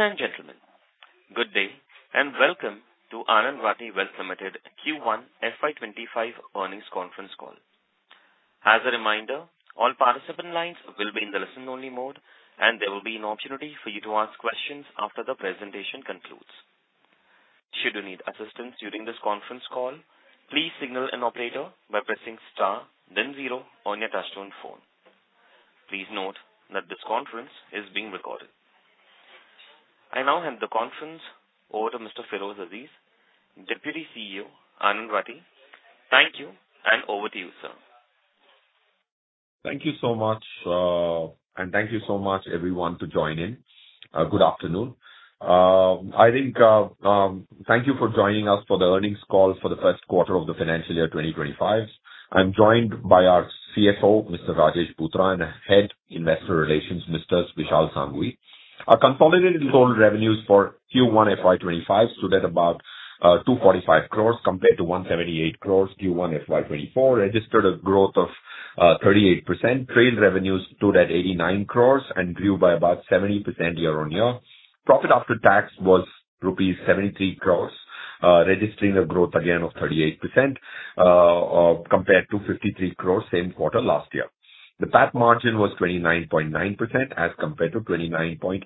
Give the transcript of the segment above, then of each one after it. Ladies and gentlemen, good day, and welcome to Anand Rathi Wealth Limited Q1 FY2025 earnings conference call. As a reminder, all participant lines will be in the listen-only mode, and there will be an opportunity for you to ask questions after the presentation concludes. Should you need assistance during this conference call, please signal an operator by pressing star then zero on your touchtone phone. Please note that this conference is being recorded. I now hand the conference over to Mr. Feroze Azeez, Deputy CEO, Anand Rathi. Thank you, and over to you, sir. Thank you so much, and thank you so much everyone to join in. Good afternoon. I think, thank you for joining us for the earnings call for the first quarter of the financial year 2025. I'm joined by our CFO, Mr. Rajesh Bhutara, and Head Investor Relations, Mr. Vishal Sanghavi. Our consolidated total revenues for Q1 FY 2025 stood at about 245 crores compared to 178 crores Q1 FY 2024, registered a growth of 38%. Trade revenues stood at 89 crores and grew by about 70% year-on-year. Profit after tax was rupees 73 crores, registering a growth again of 38% compared to 53 crores same quarter last year. The PAT margin was 29.9% as compared to 29.8%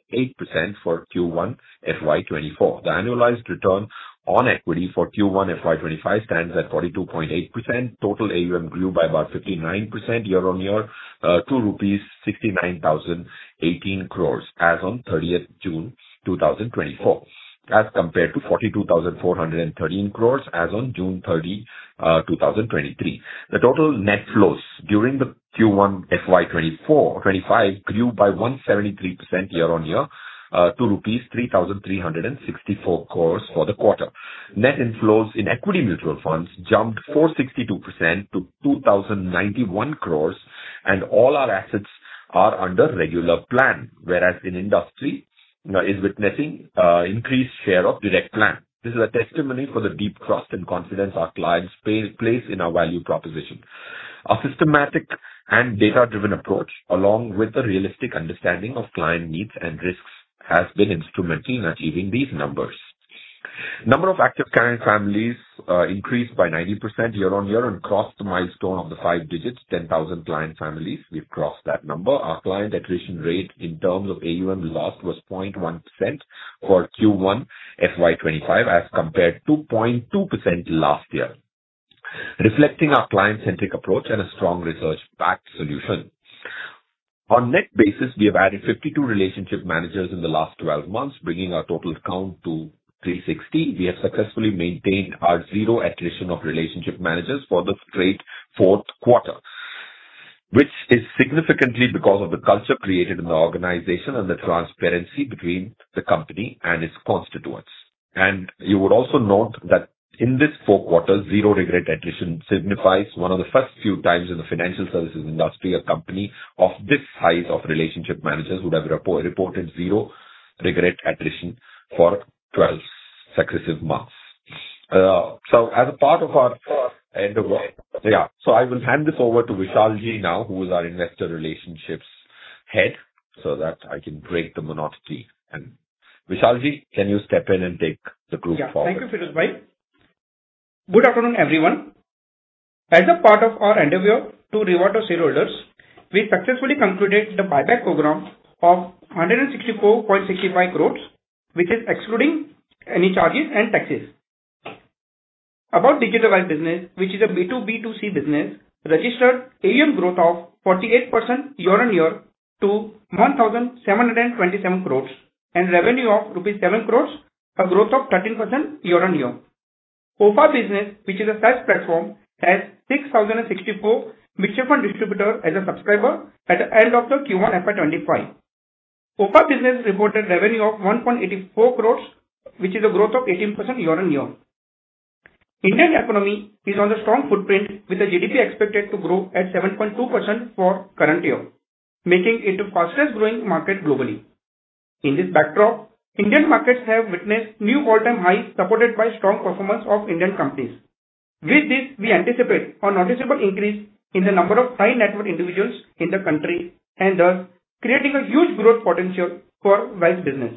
for Q1 FY 2024. The annualized return on equity for Q1 FY2025 stands at 42.8%. Total AUM grew by about 59% year-on-year to rupees 69,018 crore as on thirtieth June 2024, as compared to 42,413 crore as on June 30, 2023. The total net flows during the Q1 FY2025 grew by 173% year-on-year to rupees 3,364 crore for the quarter. Net inflows in equity mutual funds jumped 462% to 2,091 crore, and all our assets are under regular plan, whereas in industry is witnessing increased share of direct plan. This is a testimony for the deep trust and confidence our clients place in our value proposition. Our systematic and data-driven approach, along with the realistic understanding of client needs and risks, has been instrumental in achieving these numbers. Number of active client families increased by 90% year-on-year and crossed the milestone of the five digits, 10,000 client families. We've crossed that number. Our client attrition rate in terms of AUM last was 0.1% for Q1 FY 2025, as compared to 0.2% last year, reflecting our client-centric approach and a strong research-backed solution. On net basis, we have added 52 relationship managers in the last 12 months, bringing our total count to 360. We have successfully maintained our zero attrition of relationship managers for the straight Q4, which is significantly because of the culture created in the organization and the transparency between the company and its constituents. You would also note that in this Q4, zero regret attrition signifies one of the first few times in the financial services industry, a company of this size of relationship managers would have reported zero regret attrition for 12 successive months. So as a part of our... Yeah, so I will hand this over to Vishalji now, who is our Investor Relations Head, so that I can break the monotony. Vishalji, can you step in and take the group forward? Yeah. Thank you, Feroze bhai. Good afternoon, everyone. As a part of our endeavor to reward our shareholders, we successfully concluded the buyback program of 164.65 crores, which is excluding any charges and taxes. About Digital Wealth business, which is a B2B2C business, registered AUM growth of 48% year-on-year to 1,727 crores and revenue of rupees 7 crores, a growth of 13% year-on-year. OFA business, which is a sales platform, has 6,064 mutual fund distributor as a subscriber at the end of the Q1 FY 2025. OFA business reported revenue of 1.84 crores, which is a growth of 18% year-on-year. Indian economy is on the strong footing, with the GDP expected to grow at 7.2% for current year, making it the fastest growing market globally. In this backdrop, Indian markets have witnessed new all-time highs, supported by strong performance of Indian companies. With this, we anticipate a noticeable increase in the number of high-net-worth individuals in the country, and thus creating a huge growth potential Digital Wealth business.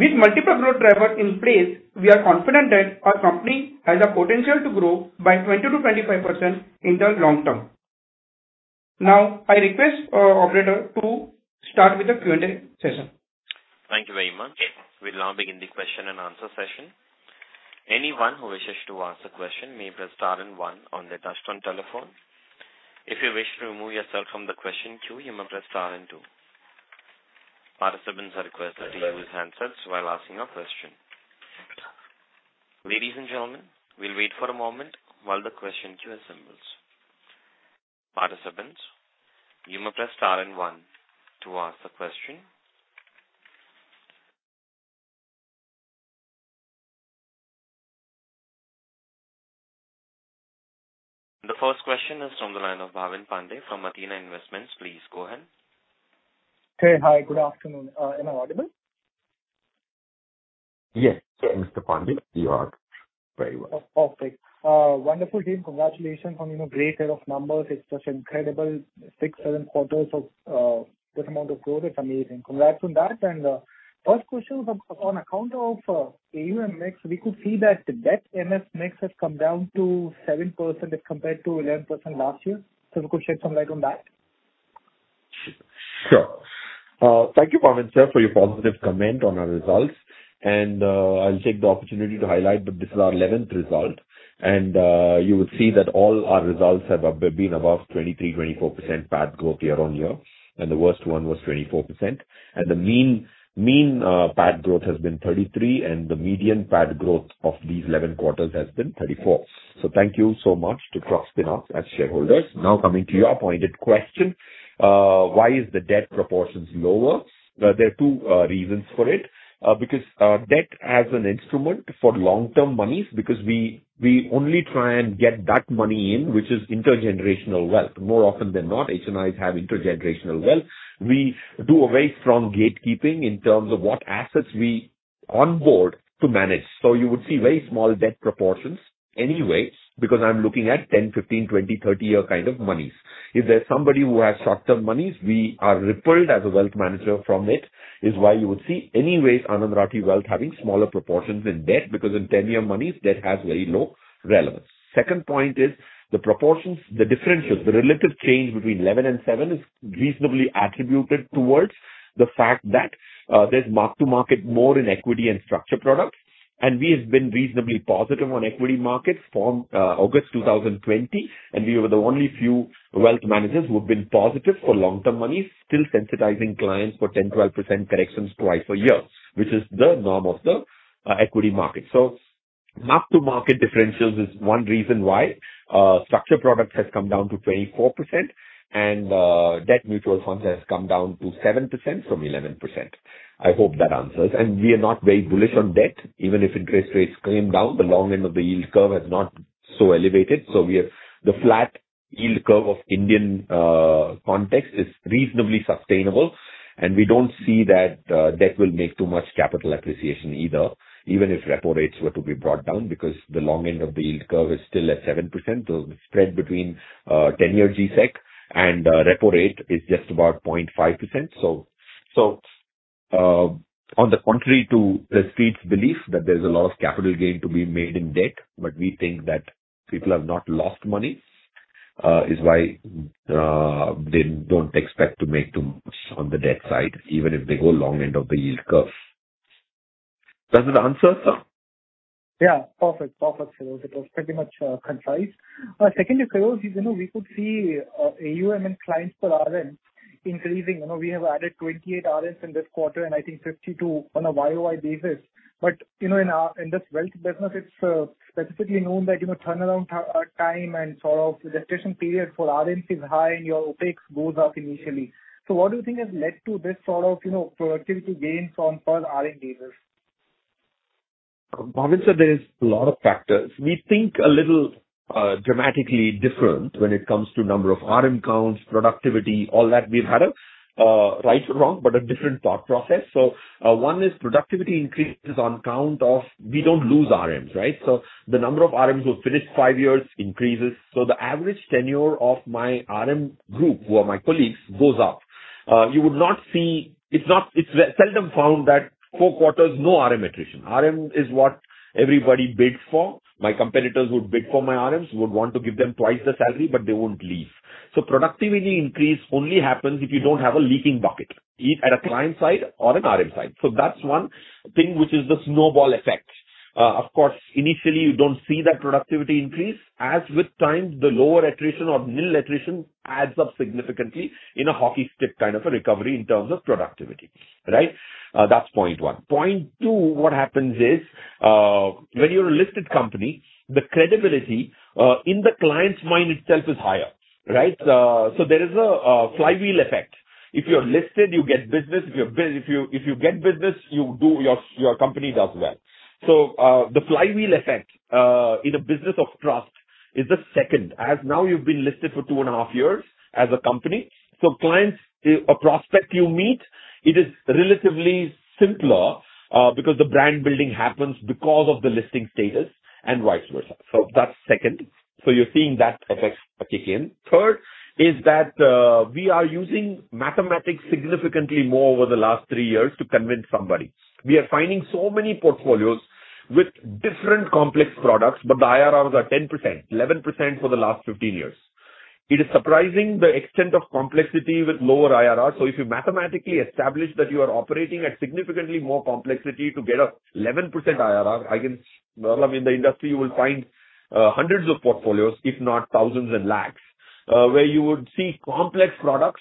With multiple growth drivers in place, we are confident that our company has the potential to grow by 20%-25% in the long term. Now, I request operator to start with the Q&A session. Thank you very much. We'll now begin the question and answer session. Anyone who wishes to ask a question may press star and one on their touchtone telephone. If you wish to remove yourself from the question queue, you may press star and two. Participants are requested to use handsets while asking a question. Ladies and gentlemen, we'll wait for a moment while the question queue assembles. Participants, you may press star and one to ask the question. The first question is from the line of Bhavin Pande from Athena Investments. Please go ahead. Hey, hi, good afternoon. Am I audible?... Yes, Mr. Pande, you are very well. Perfect. Wonderful team. Congratulations on, you know, great set of numbers. It's such incredible Q6-Q7 of this amount of growth. It's amazing. Congrats on that! And first question on account of AUM mix, we could see that the debt NS mix has come down to 7% as compared to 11% last year. So if you could shed some light on that. Sure. Thank you, Pawan, sir, for your positive comment on our results, and I'll take the opportunity to highlight that this is our eleventh result. You would see that all our results have been above 23%-24% PAT growth year-on-year, and the worst one was 24%. The mean PAT growth has been 33, and the median PAT growth of these Q7 has been 34. So thank you so much for trusting us as shareholders. Now, coming to your pointed question, why is the debt proportion lower? There are two reasons for it. Because debt as an instrument for long-term monies, because we only try and get that money in, which is intergenerational wealth. More often than not, HNIs have intergenerational wealth. We do a very strong gatekeeping in terms of what assets we onboard to manage. So you would see very small debt proportions anyways, because I'm looking at 10-, 15-, 20-, 30-year kind of monies. If there's somebody who has short-term monies, we are repelled as a wealth manager from it. It's why you would see anyways Anand Rathi Wealth having smaller proportions in debt, because in 10-year monies, debt has very low relevance. Second point is the proportions, the differences, the relative change between 11 and 7 is reasonably attributed towards the fact that, there's mark-to-market more in equity and structured products, and we have been reasonably positive on equity markets from August 2020, and we were the only few wealth managers who've been positive for long-term monies, still sensitizing clients for 10, 12% corrections twice a year, which is the norm of the equity market. So mark-to-market differentials is one reason why structured products has come down to 24% and debt mutual funds has come down to 7% from 11%. I hope that answers. And we are not very bullish on debt, even if interest rates came down, the long end of the yield curve has not so elevated. So we are... The flat yield curve of Indian context is reasonably sustainable, and we don't see that debt will make too much capital appreciation either, even if repo rates were to be brought down, because the long end of the yield curve is still at 7%. The spread between 10-year G-Sec and repo rate is just about 0.5%. So, on the contrary to the street's belief that there's a lot of capital gain to be made in debt, but we think that people have not lost money is why they don't expect to make too much on the debt side, even if they go long end of the yield curve. Does it answer? Yeah. Perfect. Perfect, Feroze. It was pretty much concise. Secondly, Feroze, you know, we could see AUM and clients per RMs increasing. You know, we have added 28 RMs in this quarter, and I think 52 on a year-over-year basis. But, you know, in this wealth business, it's specifically known that, you know, turnaround time and sort of registration period for RMs is high and your OpEx goes up initially. So what do you think has led to this sort of, you know, productivity gains on per RM basis? Pawan, sir, there is a lot of factors. We think a little, dramatically different when it comes to number of RM counts, productivity, all that. We've had a, right or wrong, but a different thought process. So, one is productivity increases on account of we don't lose RMs, right? So the number of RMs who finish five years increases, so the average tenure of my RM group, who are my colleagues, goes up. You would not see... It's not. It's really seldom found that Q4, no RM attrition. RM is what everybody bids for. My competitors would bid for my RMs, would want to give them twice the salary, but they won't leave. So productivity increase only happens if you don't have a leaking bucket, either at a client side or an RM side. So that's one thing, which is the snowball effect. Of course, initially, you don't see that productivity increase. As with time, the lower attrition or nil attrition adds up significantly in a hockey stick kind of a recovery in terms of productivity, right? That's point one. Point two, what happens is, when you're a listed company, the credibility in the client's mind itself is higher, right? So there is a flywheel effect. If you're listed, you get business. If you get business, you do, your, your company does well. So the flywheel effect in a business of trust is the second, as now you've been listed for two and a half years as a company. So clients, a prospect you meet, it is relatively simpler because the brand building happens because of the listing status and vice versa. So that's second. So you're seeing that effect kick in. Third, is that we are using mathematics significantly more over the last three years to convince somebody. We are finding so many portfolios with different complex products, but the IRRs are 10%, 11% for the last 15 years. It is surprising the extent of complexity with lower IRR. So if you mathematically establish that you are operating at significantly more complexity to get an 11% IRR, I can... Well, I mean, in the industry, you will find hundreds of portfolios, if not thousands and lakhs, where you would see complex products,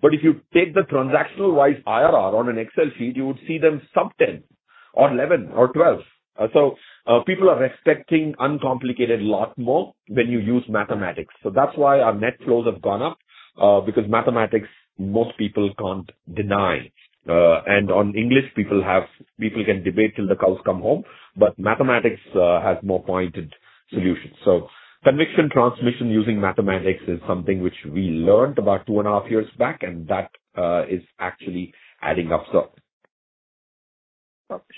but if you take the transaction-wise IRR on an Excel sheet, you would see them sub-10 or 11 or 12. So, people are accepting uncomplicated lot more when you use mathematics. So that's why our net flows have gone up, because mathematics, most people can't deny. And on English, people can debate till the cows come home, but mathematics has more pointed solutions. So conviction transmission using mathematics is something which we learned about 2.5 years back, and that is actually adding up so.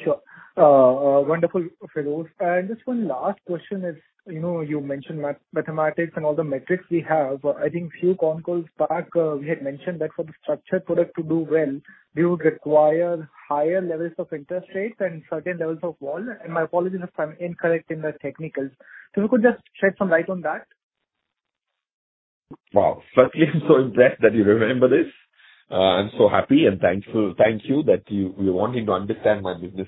Sure. Wonderful, Feroze. And just one last question is, you know, you mentioned mathematics and all the metrics we have. I think few concalls back, we had mentioned that for the structured product to do well, we would require higher levels of interest rates and certain levels of vol. And my apologies if I'm incorrect in the technicals. So you could just shed some light on that? Wow! Firstly, I'm so impressed that you remember this. I'm so happy and thankful. Thank you that you, you're wanting to understand my business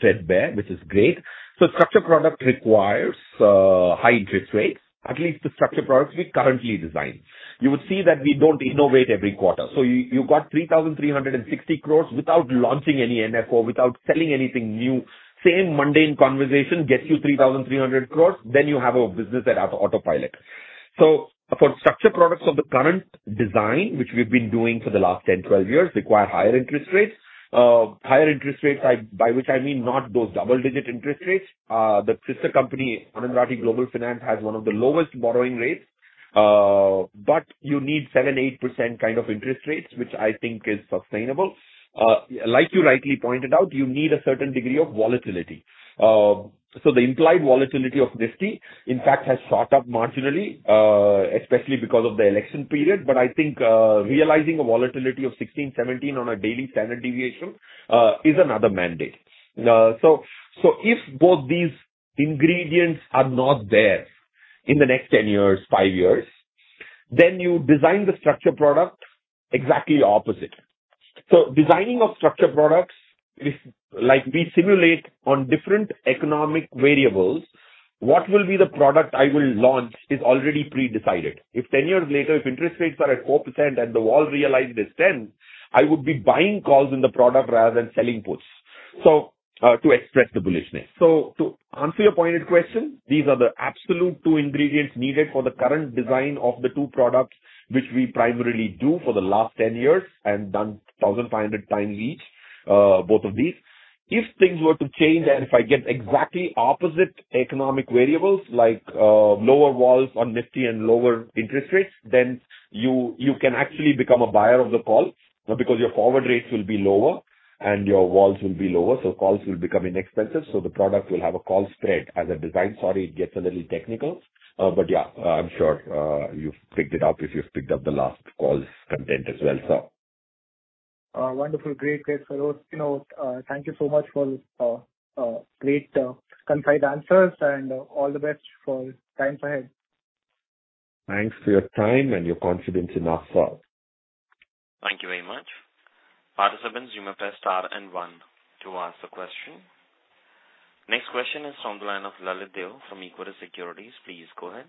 threadbare, which is great. So structured product requires high interest rates, at least the structured products we currently design. You would see that we don't innovate every quarter. So you got 3,360 crore without launching any NFO, without selling anything new. Same mundane conversation gets you 3,300 crore, then you have a business that has autopilot. So for structured products of the current design, which we've been doing for the last 10, 12 years, require higher interest rates. Higher interest rates by which I mean not those double-digit interest rates. The sister company, Anand Rathi Global Finance, has one of the lowest borrowing rates. But you need 7-8% kind of interest rates, which I think is sustainable. Like you rightly pointed out, you need a certain degree of volatility. So the implied volatility of Nifty in fact has shot up marginally, especially because of the election period. But I think, realizing a volatility of 16-17 on a daily standard deviation, is another mandate. So if both these ingredients are not there in the next 10 years, 5 years, then you design the structured product exactly opposite. So designing of structured products is like we simulate on different economic variables. What will be the product I will launch is already pre-decided. If 10 years later, if interest rates are at 4% and the vol realize this, then I would be buying calls in the product rather than selling puts, so, to express the bullishness. So to answer your pointed question, these are the absolute two ingredients needed for the current design of the two products, which we primarily do for the last 10 years and done 1,500 times each, both of these. If things were to change and if I get exactly opposite economic variables, like, lower vols on Nifty and lower interest rates, then you can actually become a buyer of the call, because your forward rates will be lower and your vols will be lower, so calls will become inexpensive, so the product will have a call spread as a design. Sorry, it gets a little technical. Yeah, I'm sure you've picked it up if you've picked up the last call's content as well, so. Wonderful. Great, great, Feroze. You know, thank you so much for great, concise answers, and all the best for time ahead. Thanks for your time and your confidence in us, sir. Thank you very much. Participants, you may press star and one to ask the question. Next question is from the line of Lalit Deo from Equirus Securities. Please go ahead.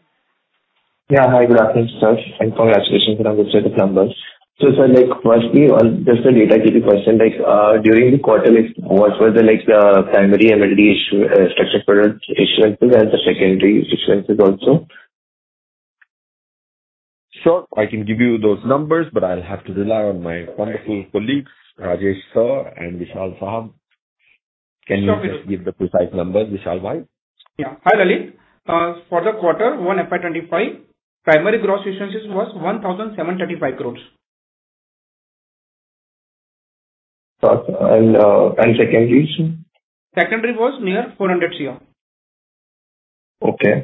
Yeah. Hi, good afternoon, sir, and congratulations on the set of numbers. So, sir, like, firstly, on just a data point question, like, during the quarter, like, what were the, like, the primary MLD issue, structured product issuances and the secondary issuances also? Sure, I can give you those numbers, but I'll have to rely on my wonderful colleagues, Rajesh Sir and Vishal Sahab. Sure, please. Can you just give the precise numbers, Vishal bhai? Yeah. Hi, Lalit. For the Q1 FY2025, primary gross issuances was 1,735 crores. First, and secondaries? Secondary was near 400 crore. Okay.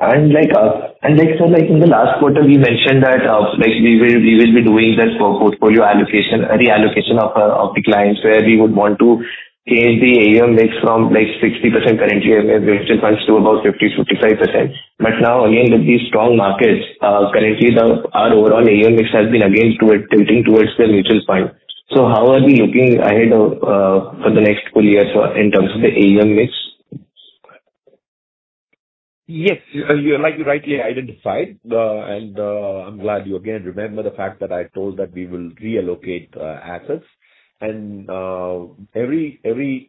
Like, sir, like in the last quarter, we mentioned that, like we will be doing this for portfolio allocation, a reallocation of the clients, where we would want to change the AUM mix from like 60% currently, where we have registered funds to about 50-55%. But now, again, with these strong markets, currently our overall AUM mix has been again tilting towards the mutual fund. So how are we looking ahead for the next full year in terms of the AUM mix? Yes, you like rightly identified, and I'm glad you again remembered the fact that I told that we will reallocate assets. And every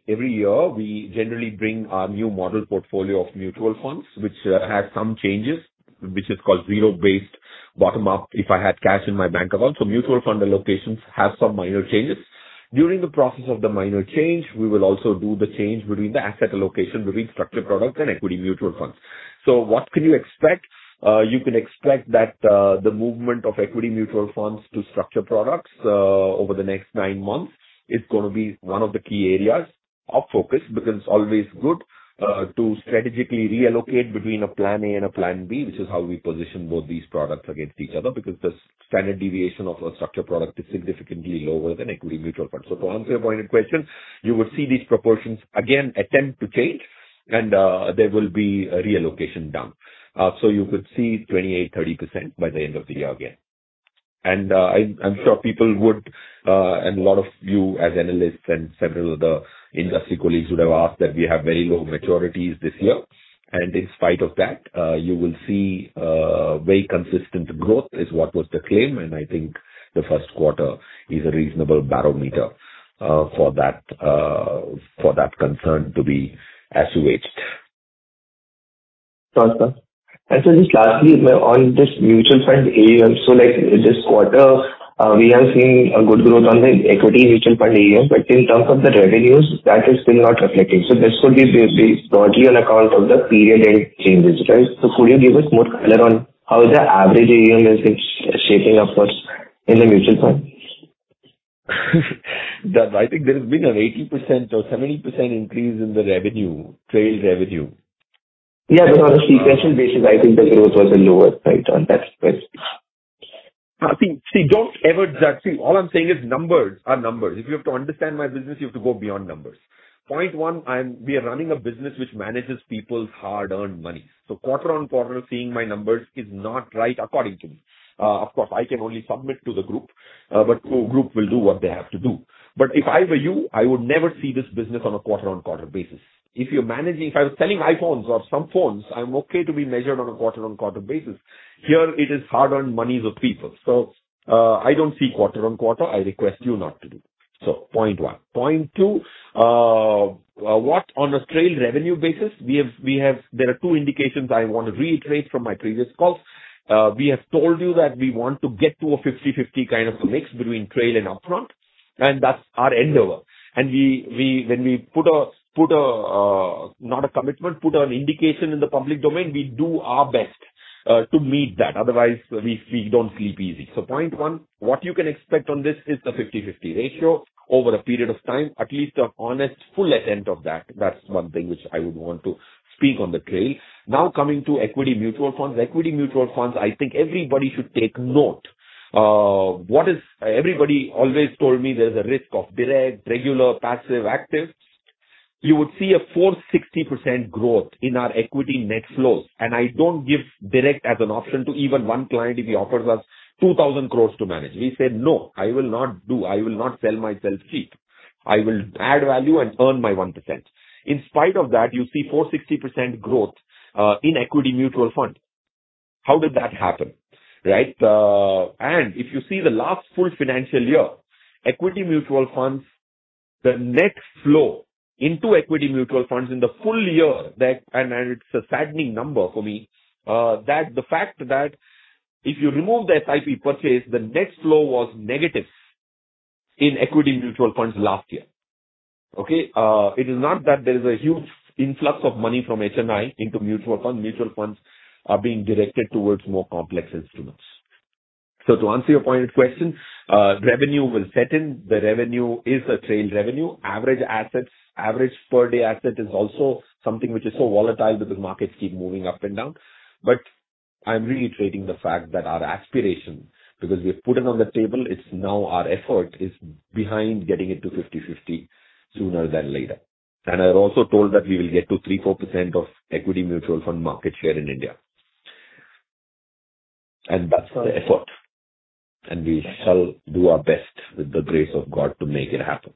year, we generally bring our new model portfolio of mutual funds, which has some changes, which is called zero-based bottom-up, if I had cash in my bank account. So mutual fund allocations have some minor changes. During the process of the minor change, we will also do the change between the asset allocation between structured products and equity mutual funds. So what can you expect? You can expect that, the movement of equity mutual funds to structured products, over the next nine months is gonna be one of the key areas of focus, because it's always good, to strategically reallocate between a plan A and a plan B, which is how we position both these products against each other, because the standard deviation of a structured product is significantly lower than equity mutual funds. So to answer your pointed question, you would see these proportions again attempt to change and, there will be a reallocation done. So you could see 28-30% by the end of the year again. And, I'm, I'm sure people would, and a lot of you as analysts and several of the industry colleagues would have asked that we have very low maturities this year. In spite of that, you will see very consistent growth is what was the claim, and I think the first quarter is a reasonable barometer for that concern to be assuaged. Sure, sir. And so just lastly, on this mutual fund AUM, so like this quarter, we have seen a good growth on the equity mutual fund AUM, but in terms of the revenues, that has been not reflected. So this could be basically broadly on account of the period and changes, right? So could you give us more color on how the average AUM is shaping up for us in the mutual fund? I think there has been an 80% or 70% increase in the revenue, trail revenue. Yeah, but on a sequential basis, I think the growth was lower, right, on that spread. I think... See, don't ever judge. See, all I'm saying is, numbers are numbers. If you have to understand my business, you have to go beyond numbers. Point one, I'm—we are running a business which manages people's hard-earned money. So quarter-on-quarter, seeing my numbers is not right according to me. Of course, I can only submit to the group, but group will do what they have to do. But if I were you, I would never see this business on a quarter-on-quarter basis. If you're managing... If I was selling iPhones or some phones, I'm okay to be measured on a quarter-on-quarter basis. Here it is hard-earned monies of people, so, I don't see quarter-on-quarter. I request you not to do. So point one. Point two, what on a trail revenue basis, we have, we have... There are two indications I want to reiterate from my previous calls. We have told you that we want to get to a 50/50 kind of a mix between trail and upfront, and that's our endeavor. When we put an indication in the public domain, we do our best to meet that. Otherwise, we don't sleep easy. So point one, what you can expect on this is the 50/50 ratio over a period of time, at least an honest, full intent of that. That's one thing which I would want to speak on the trail. Now coming to equity mutual funds. Equity mutual funds, I think everybody should take note. Everybody always told me there's a risk of direct, regular, passive, active. You would see a 460% growth in our equity net flows, and I don't give direct as an option to even one client if he offers us 2,000 crore to manage. We said, "No, I will not do. I will not sell my self-seat. I will add value and earn my 1%." In spite of that, you see 460% growth in equity mutual fund. How did that happen, right? And if you see the last full financial year, equity mutual funds, the net flow into equity mutual funds in the full year, and it's a saddening number for me, that the fact that if you remove the SIP purchase, the net flow was negative in equity mutual funds last year. Okay? It is not that there is a huge influx of money from HNI into mutual funds. Mutual funds are being directed towards more complex instruments. To answer your pointed question, revenue will set in. The revenue is a trail revenue. Average assets, average per day asset is also something which is so volatile because markets keep moving up and down. But I'm reiterating the fact that our aspiration, because we have put it on the table, it's now our effort, is behind getting it to 50/50 sooner than later. And I also told that we will get to 3%-4% of equity mutual fund market share in India. And that's our effort, and we shall do our best, with the grace of God, to make it happen.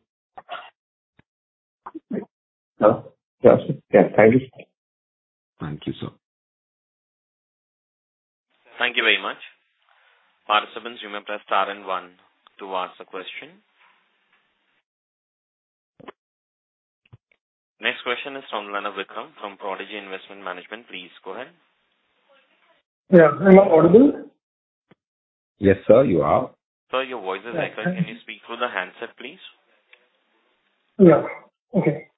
Yeah. Yeah, sir. Yeah, thank you, sir. Thank you, sir. Thank you very much. Participants, you may press star and one to ask a question. Next question is from Manav Vijay from Prodigy Investment Management. Please go ahead. Yeah. Am I audible? Yes, sir, you are. Sir, your voice is echoing. Can you speak through the handset, please? Yeah. Okay.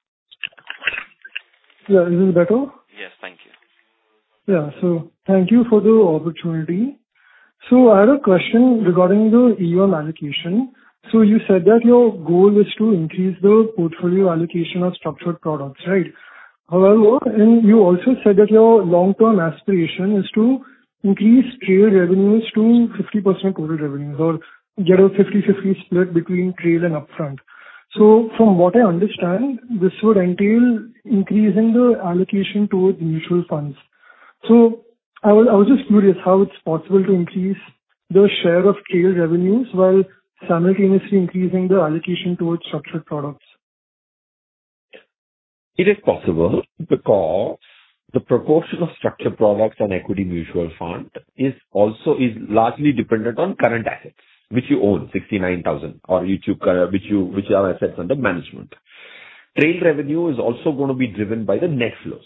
Yeah, this is better? Yes. Thank you. Yeah. So thank you for the opportunity. So I had a question regarding the AUM allocation. So you said that your goal is to increase the portfolio allocation of structured products, right? However, and you also said that your long-term aspiration is to increase trail revenues to 50% total revenues, or get a 50/50 split between trail and upfront. So from what I understand, this would entail increasing the allocation towards mutual funds. So I was, I was just curious how it's possible to increase the share of trail revenues while simultaneously increasing the allocation towards structured products? It is possible because the proportion of structured products and equity mutual fund is also, is largely dependent on current assets, which you own 69,000 crore, which are assets under management. Trail revenue is also gonna be driven by the net flows.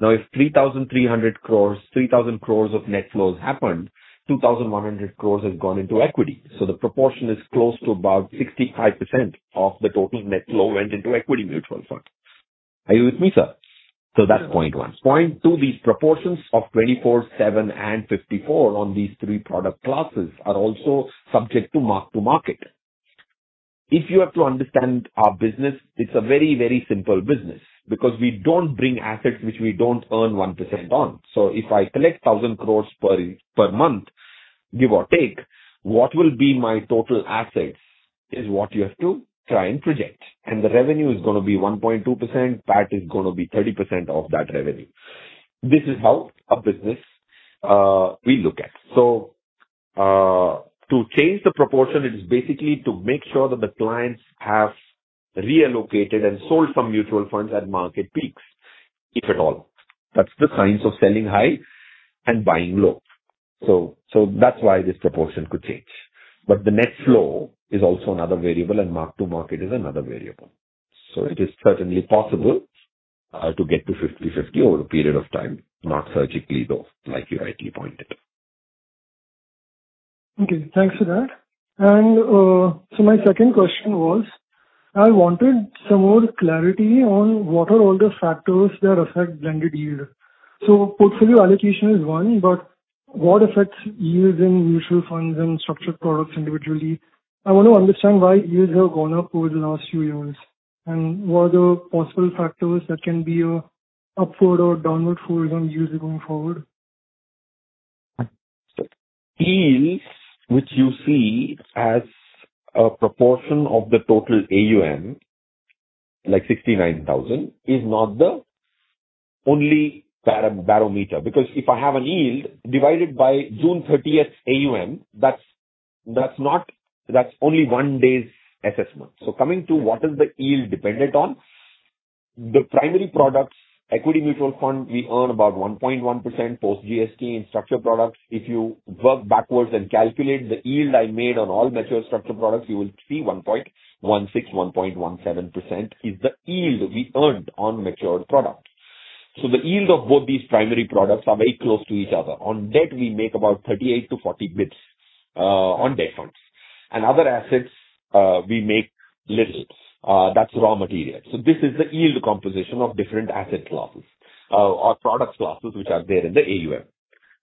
Now, if 3,300 crore, 3,000 crore of net flows happened, 2,100 crore has gone into equity. So the proportion is close to about 65% of the total net flow went into equity mutual funds. Are you with me, sir? So that's point one. Point two, these proportions of 24, 7, and 54 on these three product classes are also subject to mark-to-market. If you have to understand our business, it's a very, very simple business because we don't bring assets which we don't earn 1% on. So if I collect 1,000 crore per, per month, give or take, what will be my total assets, is what you have to try and project, and the revenue is gonna be 1.2%, PAT is gonna be 30% of that revenue. This is how a business we look at. So, to change the proportion, it is basically to make sure that the clients have reallocated and sold some mutual funds at market peaks, if at all. That's the signs of selling high and buying low. So, so that's why this proportion could change. But the net flow is also another variable, and mark-to-market is another variable.... So it is certainly possible to get to 50/50 over a period of time, not surgically, though, like you rightly pointed. Okay, thanks for that. And, so my second question was: I wanted some more clarity on what are all the factors that affect blended yield. So portfolio allocation is one, but what affects yields in mutual funds and structured products individually? I want to understand why yields have gone up over the last few years, and what are the possible factors that can be a upward or downward for yields going forward? Yields, which you see as a proportion of the total AUM, like 69,000, is not the only barometer, because if I have a yield divided by June thirtieth AUM, that's not—that's only one day's assessment. So coming to what is the yield dependent on? The primary products, equity mutual fund, we earn about 1.1% post GST in structured products. If you work backwards and calculate the yield I made on all mature structured products, you will see 1.16, 1.17% is the yield we earned on matured products. So the yield of both these primary products are very close to each other. On debt, we make about 38-40 basis points on debt funds. And other assets, we make little. That's raw material. So this is the yield composition of different asset classes, or product classes, which are there in the AUM.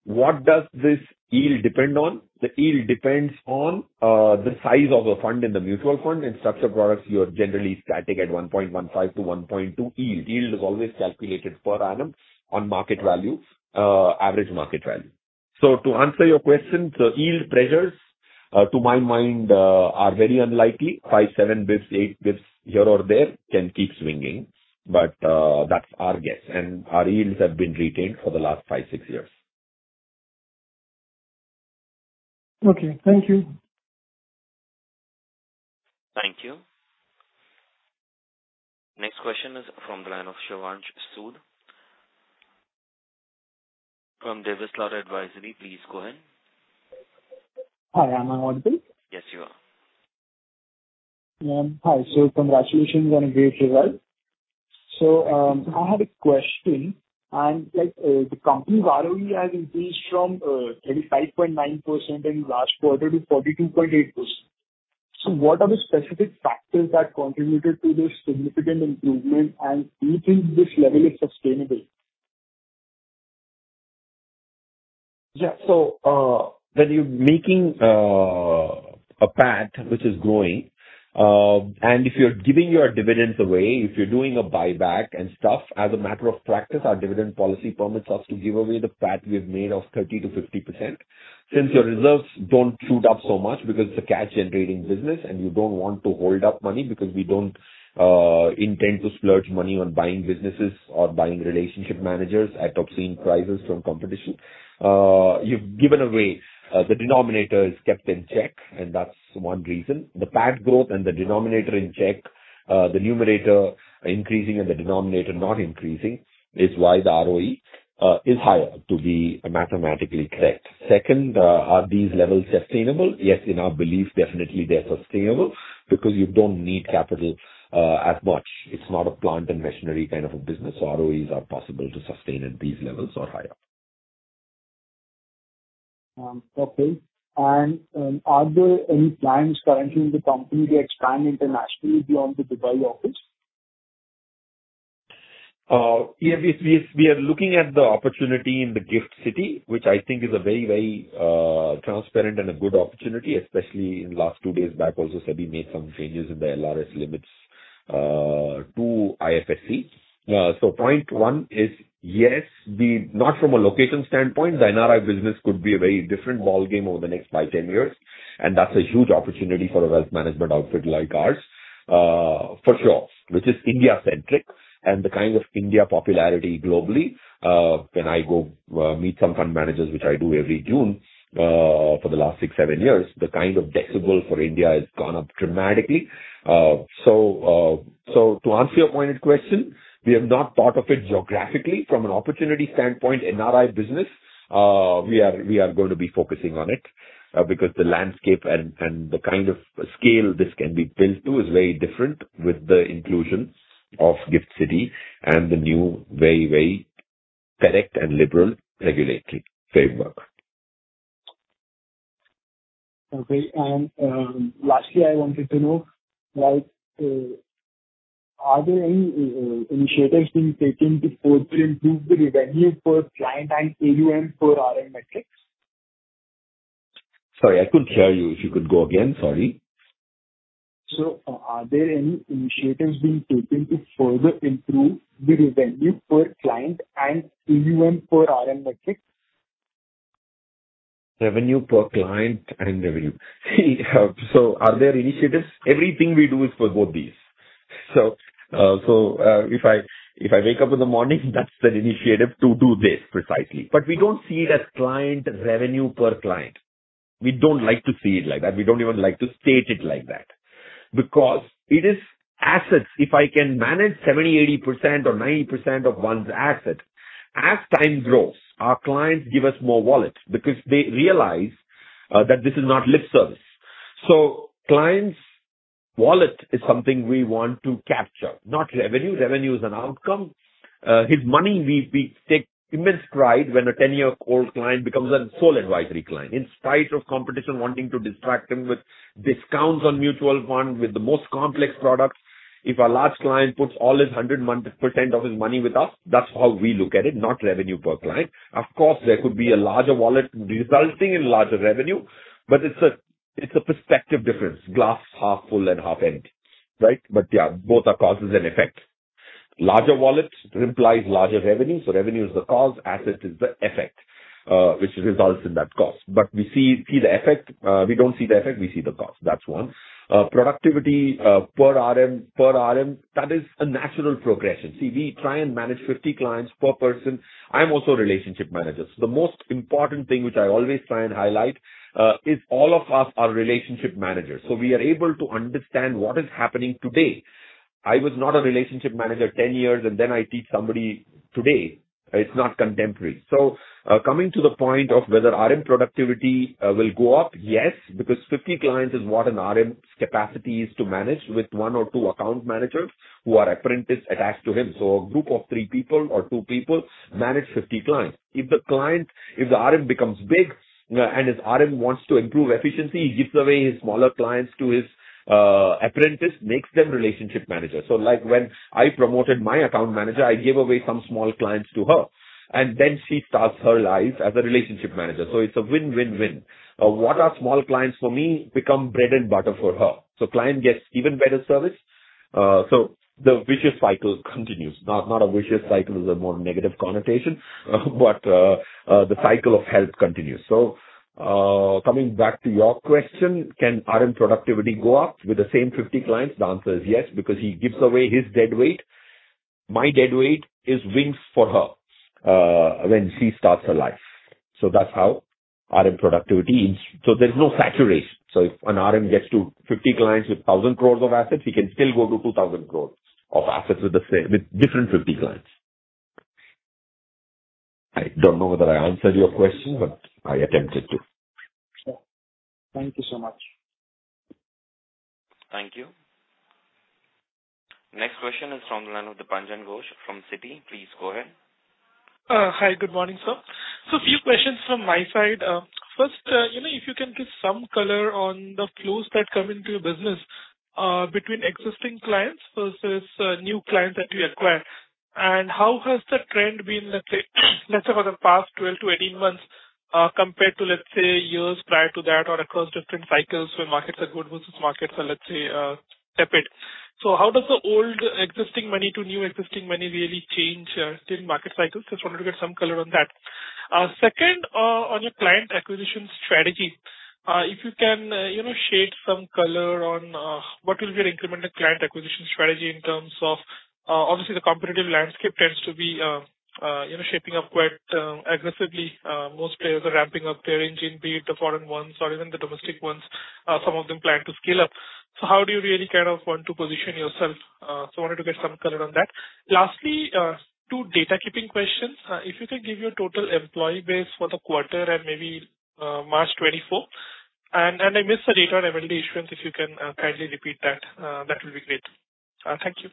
What does this yield depend on? The yield depends on, the size of a fund in the mutual fund. In structured products, you're generally starting at 1.15-1.2 yield. Yield is always calculated per annum on market value, average market value. So to answer your question, the yield pressures, to my mind, are very unlikely. 5, 7 basis points, 8 basis points here or there can keep swinging, but, that's our guess, and our yields have been retained for the last 5, 6 years. Okay, thank you. Thank you. Next question is from the line of Shivansh Sood from Dolat Capital. Please go ahead. Hi, am I audible? Yes, you are. Hi. So congratulations on a great result! So, I had a question, and, like, the company ROE has increased from, 35.9% in last quarter to 42.8%. So what are the specific factors that contributed to this significant improvement, and do you think this level is sustainable? Yeah. So, when you're making a PAT which is growing, and if you're giving your dividends away, if you're doing a buyback and stuff, as a matter of practice, our dividend policy permits us to give away 30%-50% of the PAT we've made. Since your reserves don't shoot up so much because it's a cash-generating business, and you don't want to hold up money, because we don't intend to splurge money on buying businesses or buying relationship managers at obscene prices from competition. You've given away, the denominator is kept in check, and that's one reason. The PAT growth and the denominator in check, the numerator increasing and the denominator not increasing is why the ROE is higher, to be mathematically correct. Second, are these levels sustainable? Yes, in our belief, definitely they're sustainable because you don't need capital, as much. It's not a plant and machinery kind of a business, so ROEs are possible to sustain at these levels or higher. Okay. Are there any plans currently in the company to expand internationally beyond the Dubai office? Yeah, we are looking at the opportunity in the GIFT City, which I think is a very, very, transparent and a good opportunity, especially in the last 2 days, RBI also said we made some changes in the LRS limits, to IFSC. So point one is, yes, we... Not from a location standpoint, the NRI business could be a very different ballgame over the next 5, 10 years, and that's a huge opportunity for a wealth management outfit like ours, for sure, which is India-centric and the kind of India popularity globally. When I go, meet some fund managers, which I do every June, for the last 6, 7 years, the kind of decibel for India has gone up dramatically. So, to answer your pointed question, we have not thought of it geographically. From an opportunity standpoint, NRI business, we are, we are going to be focusing on it, because the landscape and the kind of scale this can be built to is very different with the inclusion of GIFT City and the new, very, very correct and liberal regulatory framework. Okay. Lastly, I wanted to know, like, are there any initiatives being taken to further improve the revenue per client and AUM per RM metrics? Sorry, I couldn't hear you. If you could go again. Sorry. Are there any initiatives being taken to further improve the revenue per client and AUM per RM metrics? Revenue per client and revenue. So are there initiatives? Everything we do is for both these. So, so, if I, if I wake up in the morning, that's an initiative to do this precisely. But we don't see it as client, revenue per client. We don't like to see it like that. We don't even like to state it like that because it is assets. If I can manage 70, 80% or 90% of one's asset, as time grows, our clients give us more wallet because they realize that this is not lip service. So client's wallet is something we want to capture, not revenue. Revenue is an outcome. His money, we, we take immense pride when a 10-year-old client becomes a sole advisory client, in spite of competition wanting to distract him with discounts on mutual funds, with the most complex products. If a large client puts all his 100% of his money with us, that's how we look at it, not revenue per client. Of course, there could be a larger wallet resulting in larger revenue, but it's a, it's a perspective difference. Glass half full and half empty, right? But, yeah, both are causes and effect. Larger wallets implies larger revenue, so revenue is the cause, asset is the effect, which results in that cause. But we see the effect... we don't see the effect, we see the cause. That's one. Productivity per RM, that is a natural progression. See, we try and manage 50 clients per person. I'm also a relationship manager, so the most important thing, which I always try and highlight, is all of us are relationship managers, so we are able to understand what is happening today. I was not a relationship manager 10 years and then I teach somebody today. It's not contemporary. So, coming to the point of whether RM productivity will go up? Yes, because 50 clients is what an RM's capacity is to manage with one or two account managers, who are apprentice attached to him. So a group of three people or two people manage 50 clients. If the client, if the RM becomes big and this RM wants to improve efficiency, he gives away his smaller clients to his apprentice, makes them relationship managers. So like when I promoted my account manager, I gave away some small clients to her, and then she starts her life as a relationship manager. So it's a win, win, win. What are small clients for me become bread and butter for her. So client gets even better service. So the vicious cycle continues. Not, not a vicious cycle, it's a more negative connotation, but, the cycle of help continues. So, coming back to your question, can RM productivity go up with the same 50 clients? The answer is yes, because he gives away his deadweight. My deadweight is wins for her, when she starts her life. So that's how RM productivity is. So there's no saturation. So if an RM gets to 50 clients with 1,000 crore of assets, he can still go to 2,000 crore of assets with the same, with different 50 clients. I don't know whether I answered your question, but I attempted to. Thank you so much. Thank you. Next question is from the line of Dipanjan Ghosh from Citi. Please go ahead. Hi, good morning, sir. So a few questions from my side. First, you know, if you can give some color on the flows that come into your business, between existing clients versus new clients that you acquire. And how has the trend been, let's say, let's say over the past 12-18 months, compared to, let's say, years prior to that or across different cycles, where markets are good versus markets are, let's say, tepid? So how does the old existing money to new existing money really change during market cycles? Just wanted to get some color on that. Second, on your client acquisition strategy, if you can, you know, shed some color on, what will be your incremental client acquisition strategy in terms of... Obviously, the competitive landscape tends to be, you know, shaping up quite, aggressively. Most players are ramping up their engine, be it the foreign ones or even the domestic ones. Some of them plan to scale up. So how do you really kind of want to position yourself? Wanted to get some color on that. Lastly, two data keeping questions. If you could give your total employee base for the quarter and maybe, March 2024, and I missed the data on MLD issuances, if you can, kindly repeat that, that will be great. Thank you.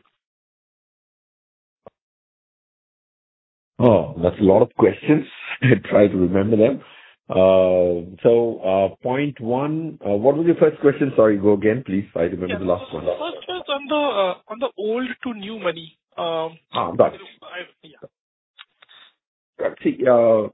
Oh, that's a lot of questions. I'll try to remember them. So, point one, what was your first question? Sorry, go again, please. I remember the last one. The first was on the old to new money. Ah, that. I... Yeah.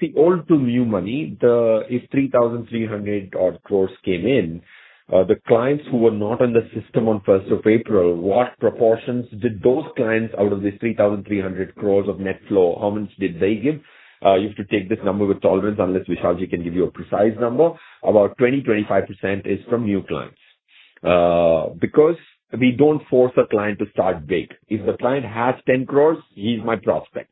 See, old to new money, if 3,300-odd crores came in, the clients who were not on the system on first of April, what proportions did those clients out of the 3,300 crores of net flow, how much did they give? You have to take this number with tolerance, unless Vishalji can give you a precise number. About 20-25% is from new clients. Because we don't force a client to start big. If the client has 10 crore, he's my prospect.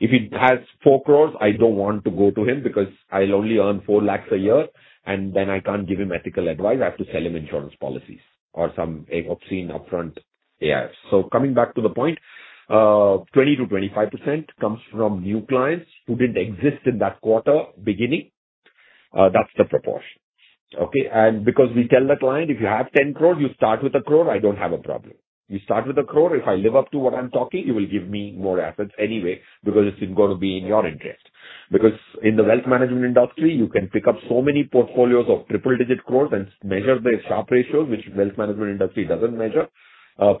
If he has 4 crore, I don't want to go to him because I'll only earn 4 lakh a year, and then I can't give him ethical advice. I have to sell him insurance policies or some obscene upfront AIF. Coming back to the point, 20%-25% comes from new clients who didn't exist in that quarter beginning. That's the proportion. Okay? And because we tell the client, "If you have 10 crore, you start with 1 crore, I don't have a problem. You start with 1 crore, if I live up to what I'm talking, you will give me more assets anyway, because it's gonna be in your interest." Because in the wealth management industry, you can pick up so many portfolios of triple digit crores and measure the Sharpe ratio, which wealth management industry doesn't measure.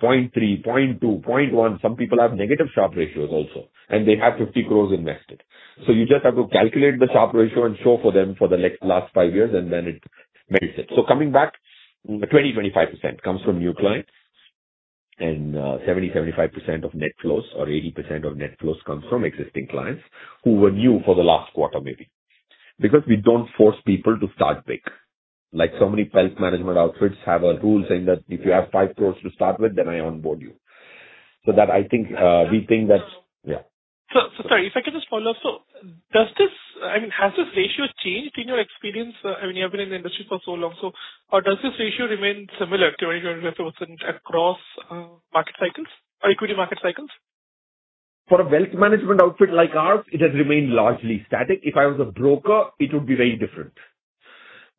Point three, point two, point one, some people have negative Sharpe ratios also, and they have 50 crore invested. So you just have to calculate the Sharpe ratio and show for them for the next last five years, and then it makes it. So coming back, 25% comes from new clients, and 75% of net flows or 80% of net flows comes from existing clients who were new for the last quarter, maybe. Because we don't force people to start big. Like, so many wealth management outfits have a rule saying that if you have 5 crore to start with, then I onboard you. So that I think, we think that... Yeah. So, so sorry, if I could just follow up. So does this, I mean, has this ratio changed in your experience? I mean, you've been in the industry for so long, so, does this ratio remain similar to what you said across, market cycles or equity market cycles? ...For a wealth management outfit like ours, it has remained largely static. If I was a broker, it would be very different.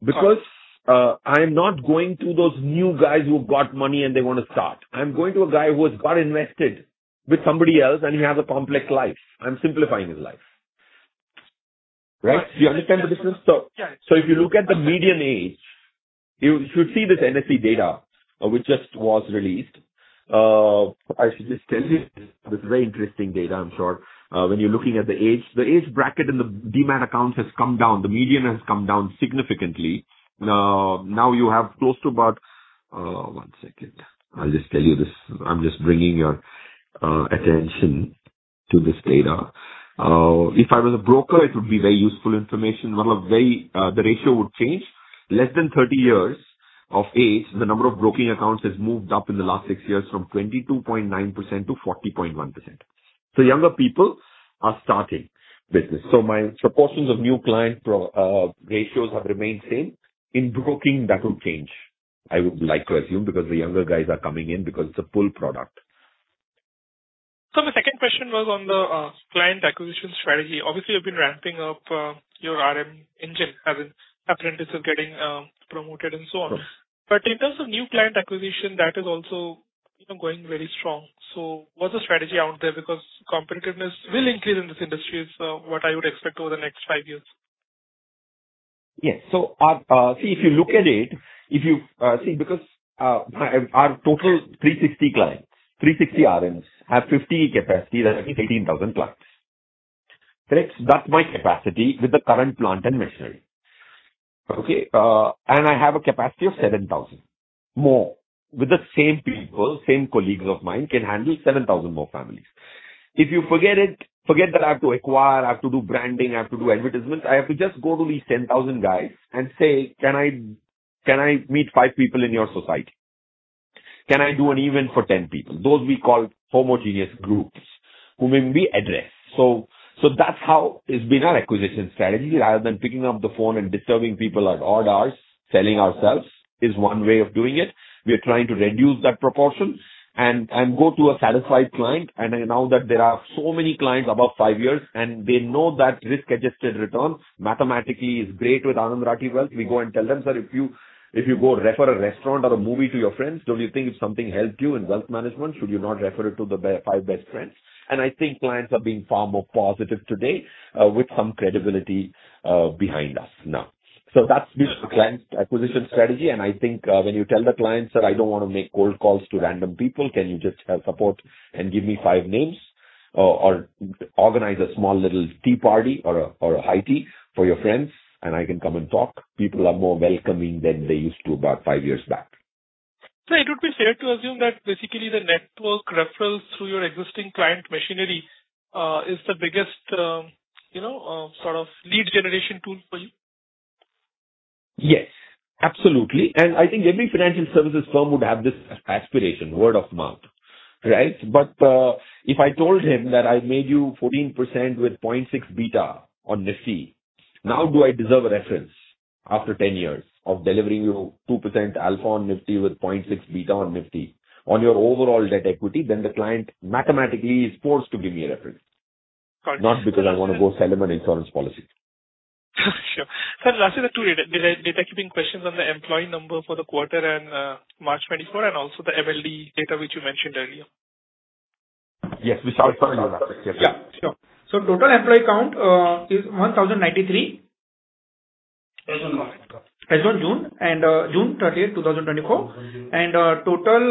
Because, I am not going to those new guys who've got money and they want to start. I'm going to a guy who has got invested with somebody else, and he has a complex life. I'm simplifying his life, right? You understand the business? Yeah. So if you look at the median age, you should see this NSE data, which just was released. I should just tell you, this is very interesting data, I'm sure. When you're looking at the age, the age bracket in the demat accounts has come down. The median has come down significantly. Now you have close to about. One second. I'll just tell you this. I'm just bringing your attention to this data. If I was a broker, it would be very useful information. One of very, the ratio would change. Less than 30 years of age, the number of broking accounts has moved up in the last 6 years from 22.9% to 40.1%. So younger people are starting business. So my proportions of new client pro, ratios have remained same. In broking, that will change, I would like to assume, because the younger guys are coming in because it's a full product. So the second question was on the client acquisition strategy. Obviously, you've been ramping up your RM engine, as in apprentices are getting promoted and so on. But in terms of new client acquisition, that is also, you know, going very strong. So what's the strategy out there? Because competitiveness will increase in this industry, is what I would expect over the next five years. Yes. So, see, if you look at it, if you see, because, my, our total 360 clients, 360 RMs, have 50 capacity, that's 18,000 clients. Correct? That's my capacity with the current plant and machinery. Okay, and I have a capacity of 7,000 more. With the same people, same colleagues of mine can handle 7,000 more families. If you forget it, forget that I have to acquire, I have to do branding, I have to do advertisements, I have to just go to these 10,000 guys and say: "Can I, can I meet five people in your society? Can I do an event for 10 people?" Those we call homogeneous groups, whom we address. So, so that's how it's been our acquisition strategy rather than picking up the phone and disturbing people at odd hours. Selling ourselves is one way of doing it. We are trying to reduce that proportion and go to a satisfied client, and now that there are so many clients above five years, and they know that risk-adjusted return mathematically is great with Anand Rathi Wealth. We go and tell them, "Sir, if you, if you go refer a restaurant or a movie to your friends, don't you think if something helped you in wealth management, should you not refer it to your five best friends?" And I think clients are being far more positive today with some credibility behind us now. So that's been the client acquisition strategy, and I think, when you tell the clients that, "I don't want to make cold calls to random people, can you just support and give me five names? Or, organize a small little tea party or a high tea for your friends, and I can come and talk." People are more welcoming than they used to about five years back. Sir, it would be fair to assume that basically the network referrals through your existing client machinery is the biggest, you know, sort of lead generation tool for you? Yes, absolutely. And I think every financial services firm would have this aspiration, word of mouth, right? But, if I told him that I made you 14% with 0.6 beta on Nifty, now do I deserve a reference after 10 years of delivering you 2% alpha on Nifty with 0.6 beta on Nifty? On your overall debt equity, then the client mathematically is forced to give me a reference- Got you. not because I want to go sell him an insurance policy. Sure. Sir, lastly, the two data keeping questions on the employee number for the quarter and March 2024, and also the MLD data, which you mentioned earlier. Yes, Vishal, sorry about that. Yeah, sure. So total employee count is 1,093. As on June. As on June thirtieth, two thousand twenty-four. Total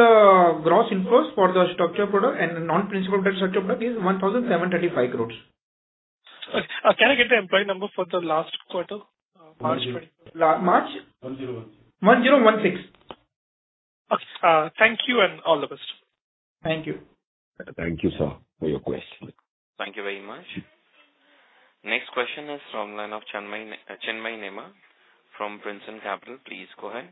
gross inflows for the structured product and non-principal structured product is 1,735 crores. Okay. Can I get the employee number for the last quarter, March 20- March? 1016. 1016. Okay. Thank you and all the best. Thank you. Thank you, sir, for your question. Thank you very much. Next question is from line of Chinmay, Chinmay Nema from Prescient Capital. Please go ahead.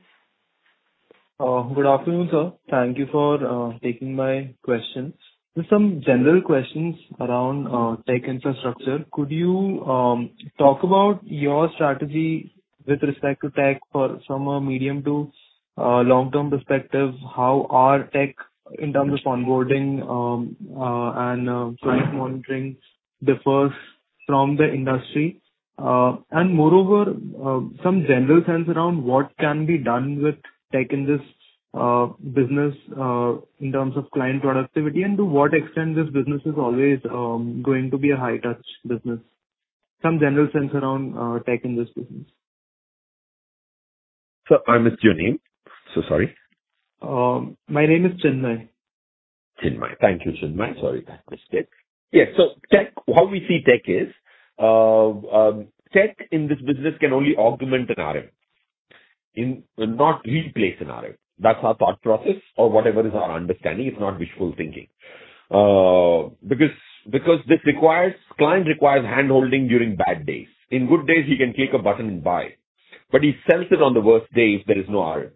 Good afternoon, sir. Thank you for taking my question. Just some general questions around tech infrastructure. Could you talk about your strategy with respect to tech from a medium to long-term perspective? How are tech, in terms of onboarding and client monitoring, differs from the industry? And moreover, some general sense around what can be done with tech in this business in terms of client productivity, and to what extent this business is always going to be a high touch business? Some general sense around tech in this business. Sir, I missed your name. So sorry. My name is Chinmay. Chinmay. Thank you, Chinmay. Sorry, I missed it. Yeah, so tech, how we see tech is, tech in this business can only augment an RM and not replace an RM. That's our thought process or whatever is our understanding. It's not wishful thinking. Because, because this requires- client requires handholding during bad days. In good days, he can click a button and buy, but he sells it on the worst days, there is no RM.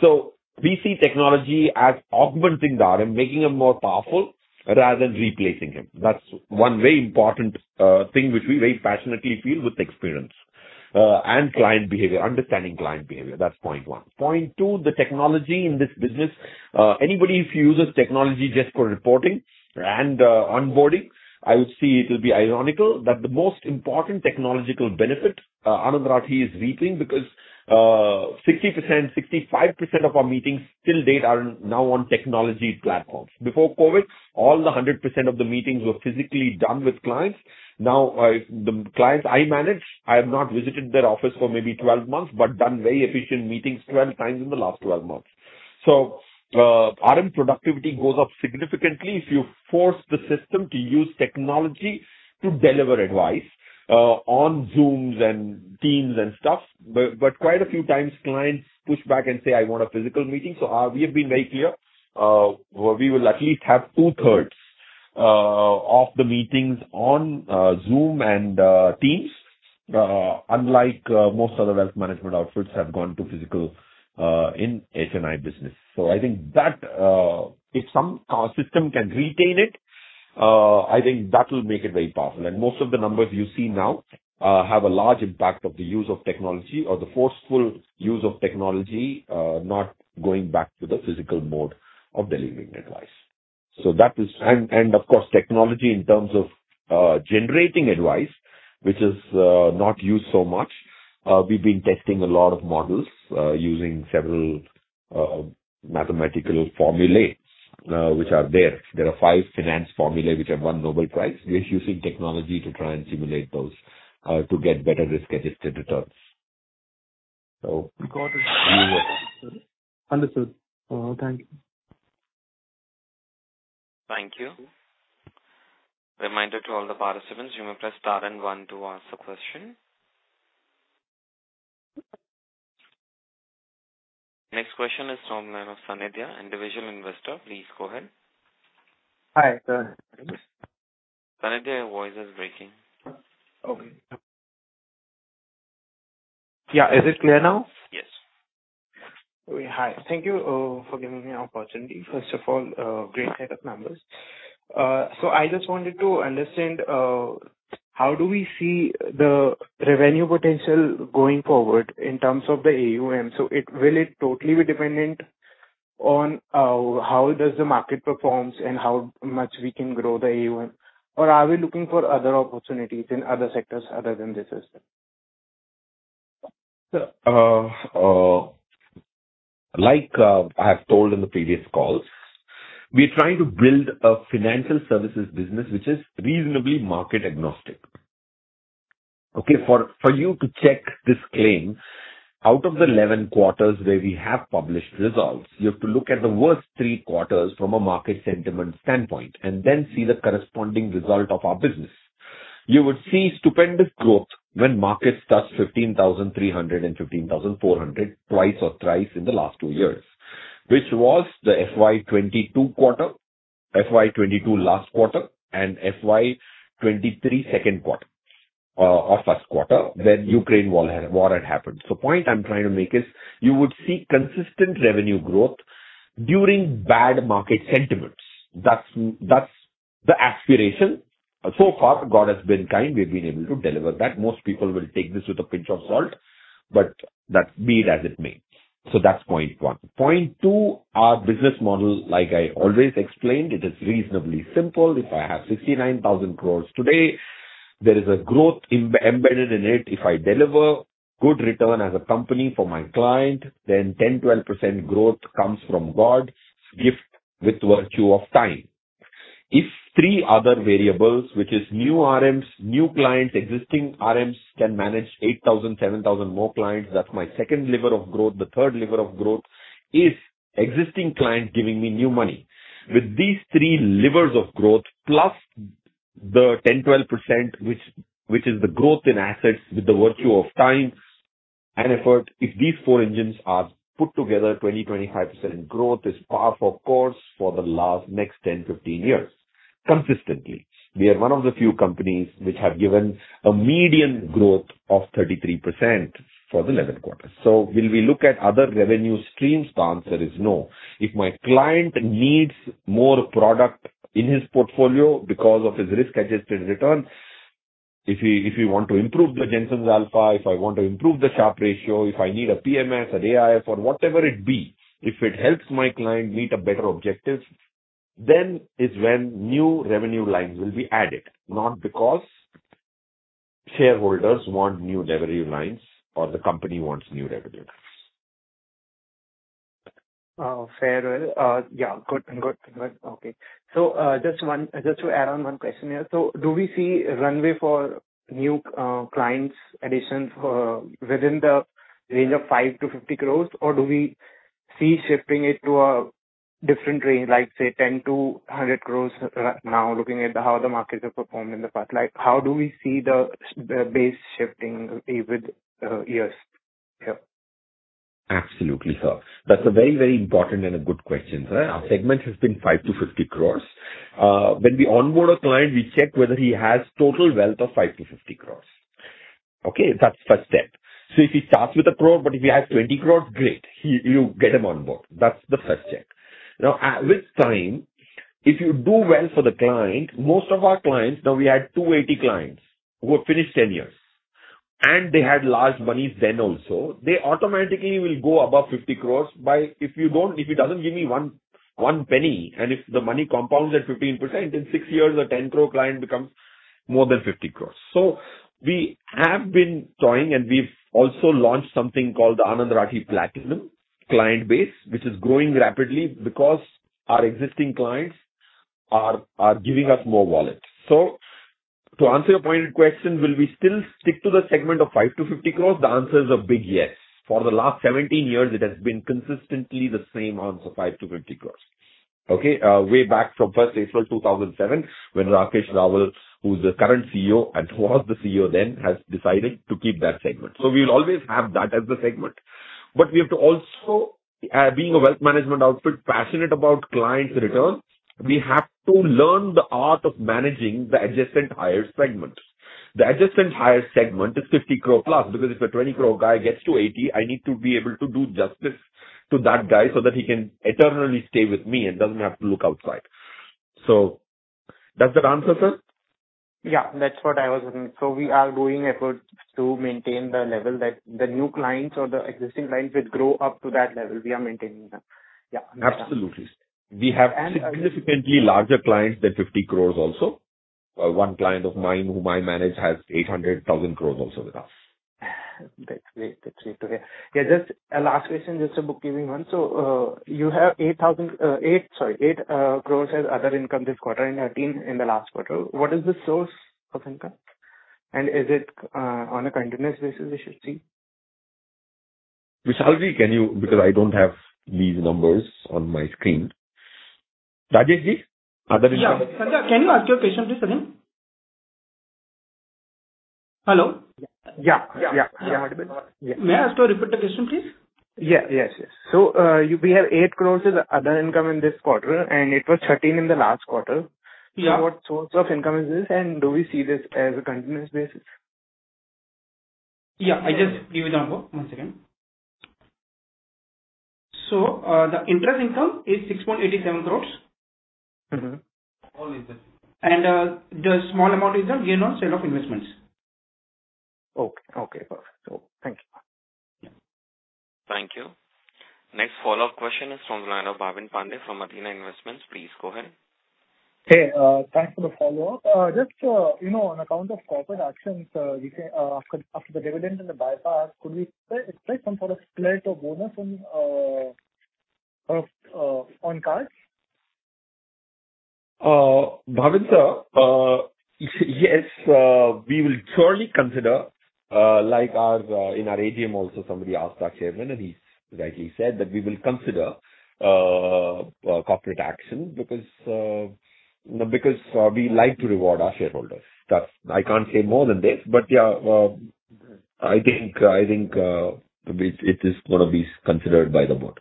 So we see technology as augmenting the RM, making him more powerful, rather than replacing him. That's one very important, thing which we very passionately feel with experience and client behavior, understanding client behavior. That's point one. Point two, the technology in this business, anybody if uses technology just for reporting and onboarding, I would see it will be ironical that the most important technological benefit, Anand Rathi is reaping, because 60%, 65% of our meetings till date are now on technology platforms. Before COVID, all the 100% of the meetings were physically done with clients. Now, the clients I manage, I have not visited their office for maybe 12 months, but done very efficient meetings 12 times in the last 12 months. So, RM productivity goes up significantly if you force the system to use technology to deliver advice, on Zooms and Teams and stuff. But quite a few times clients push back and say: "I want a physical meeting." So, we have been very clear, we will at least have two-thirds of the meetings on Zoom and Teams, unlike most other wealth management outfits have gone to physical in HNI business. So I think that, if some system can retain it, I think that will make it very powerful. And most of the numbers you see now have a large impact of the use of technology or the forceful use of technology, not going back to the physical mode of delivering advice. So that is... And, of course, technology in terms of generating advice, which is not used so much. We've been testing a lot of models using several mathematical formulas, which are there. There are five finance formulae which have won Nobel Prize. We're using technology to try and simulate those to get better risk-adjusted returns. So- Understood. Thank you. Thank you. Reminder to all the participants, you may press star and one to ask a question. Next question is from Sanadhya, individual investor. Please go ahead. Hi, sir. Sanadhya, your voice is breaking. Okay. Yeah. Is it clear now? Yes. Hi. Thank you for giving me an opportunity. First of all, great set of numbers. So I just wanted to understand how do we see the revenue potential going forward in terms of the AUM? So, will it totally be dependent on how does the market performs and how much we can grow the AUM? Or are we looking for other opportunities in other sectors other than this system? So, like, I have told in the previous calls, we're trying to build a financial services business, which is reasonably market agnostic. Okay? For you to check this claim, out of the Q11 where we have published results, you have to look at the worst Q3 from a market sentiment standpoint, and then see the corresponding result of our business. You would see stupendous growth when markets touched 15,300 and 15,400, twice or thrice in the last two years, which was the FY 2022 quarter, FY 2022 last quarter, and FY 2023 Q2, or Q1, when Ukraine war had happened. So point I'm trying to make is you would see consistent revenue growth during bad market sentiments. That's the aspiration. So far, God has been kind, we've been able to deliver that. Most people will take this with a pinch of salt, but that's as it may. So that's point one. Point two, our business model, like I always explained, it is reasonably simple. If I have 69,000 crore today, there is a growth embedded in it. If I deliver good return as a company for my client, then 10%-12% growth comes from God's gift by virtue of time. The three other variables, which is new RMs, new clients, existing RMs can manage 8,000, 7,000 more clients, that's my second lever of growth. The third lever of growth is existing client giving me new money. With these three levers of growth, plus the 10-12%, which is the growth in assets with the virtue of time and effort, if these four engines are put together, 20-25% growth is par for the course for the next 10-15 years, consistently. We are one of the few companies which have given a median growth of 33% for the Q11. So will we look at other revenue streams? The answer is no. If my client needs more product in his portfolio because of his risk-adjusted return, if he, if he want to improve the Jensen's alpha, if I want to improve the Sharpe ratio, if I need a PMS, an AIF, or whatever it be, if it helps my client meet a better objective, then is when new revenue lines will be added, not because shareholders want new revenue lines or the company wants new revenue lines. Fairly well. Yeah, good. Good. Good. Okay. So, just to add on one question here: So do we see a runway for new clients additions within the range of 5 crore-50 crore, or do we see shifting it to a different range, like, say, 10 crore-100 crore now, looking at how the markets have performed in the past? Like, how do we see the base shifting with years? Yeah. Absolutely, sir. That's a very, very important and a good question, sir. Our segment has been 5-50 crore. When we onboard a client, we check whether he has total wealth of 5-50 crore. Okay? That's first step. So if he starts with 1 crore, but if he has 20 crore, great! You get him on board. That's the first check. Now, if you do well for the client, most of our clients, now we had 280 clients who have finished 10 years, and they had large monies then also, they automatically will go above 50 crore. But if you don't, if it doesn't give me even one penny, and if the money compounds at 15%, in 6 years a 10 crore client becomes more than 50 crore. So we have been trying, and we've also launched something called Anand Rathi Platinum client base, which is growing rapidly because our existing clients are giving us more wallet. So to answer your pointed question, will we still stick to the segment of 5 crore-50 crore? The answer is a big yes. For the last 17 years, it has been consistently the same answer, 5 crore-50 crore. Okay, way back from April 1, 2007, when Rakesh Rawal, who's the current CEO and who was the CEO then, has decided to keep that segment. So we'll always have that as the segment. But we have to also, being a wealth management outfit, passionate about clients' return, we have to learn the art of managing the adjacent higher segment. The adjacent higher segment is 50 crore plus, because if a 20 crore guy gets to 80 crore, I need to be able to do justice to that guy so that he can eternally stay with me and doesn't have to look outside. So does that answer, sir? Yeah, that's what I was... So we are doing efforts to maintain the level that the new clients or the existing clients which grow up to that level, we are maintaining them. Yeah. Absolutely. And- We have significantly larger clients than 50 crore also. One client of mine, whom I manage, has 800,000 crore also with us. That's great. That's great to hear. Yeah, just a last question, just a housekeeping one. So, you have 8 crore as other income this quarter, and 13 crore in the last quarter. What is the source of income, and is it on a continuous basis we should see? Vishalji, can you? Because I don't have these numbers on my screen. Rajeshji, other income- Yeah. Sanjay, can you ask your question please again? Hello? Yeah, yeah, yeah. You heard me? Yeah. May I ask you to repeat the question, please? Yeah. Yes, yes. So, you have 8 crore as other income in this quarter, and it was 13 crore in the last quarter. Yeah. What source of income is this? Do we see this as a continuous basis? Yeah. I just give you the number once again. So, the interest income is 6.87 crore. Mm-hmm. All is well. The small amount is the gain on sale of investments. Okay, okay, perfect. Thank you. Thank you. Next follow-up question is from the line of Bhavin Pande from Athena Investments. Please go ahead. Hey, thanks for the follow-up. Just, you know, on account of corporate actions, after the dividend and the buyback, could we expect some sort of split or bonus in the cards? Bhavin, sir, yes, we will surely consider, like, in our AGM also, somebody asked our chairman, and he rightly said that we will consider corporate action because, because we like to reward our shareholders. That's... I can't say more than this, but, yeah, I think, I think it is gonna be considered by the board.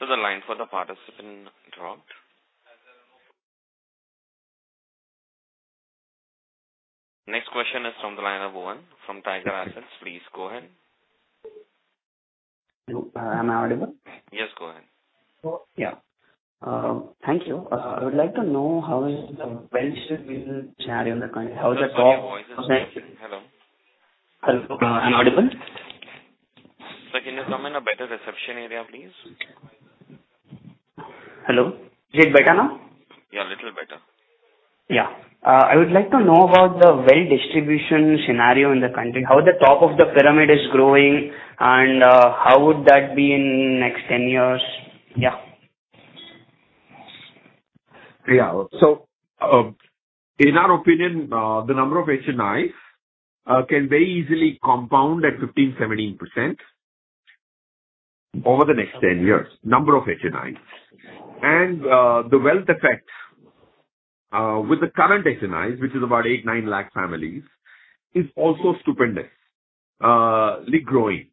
The line for the participant dropped. Next question is from the line of Owen from Tiger Assets. Please go ahead. Hello, am I audible? Yes, go ahead. So, yeah. Thank you. I would like to know how the wealth distribution scenario in the country, how the top- Sorry, your voice is breaking. Hello. Hello, I'm audible? Sir, can you come in a better reception area, please? Hello. Is it better now? Yeah, little better. Yeah. I would like to know about the wealth distribution scenario in the country, how the top of the pyramid is growing and, how would that be in next ten years? Yeah. Yeah. In our opinion, the number of HNI can very easily compound at 15%-17% over the next 10 years. Number of HNIs. The wealth effect with the current HNIs, which is about 8-9 lakh families, is also stupendously growing.